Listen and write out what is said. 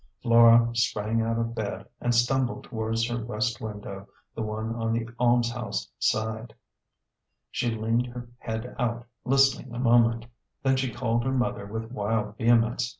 Flora sprang out of bed, and stumbled towards her west window the one on the almshouse side. She leaned her head out, listening a moment. Then she called her mother with wild vehemence.